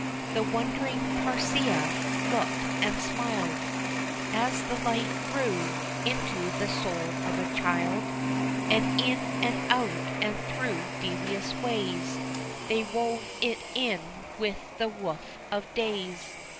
The wondering Parcea looked and smiled, As the light grew into the soul of a child, And in and out and through devious ways, They wove it in with the woof of days.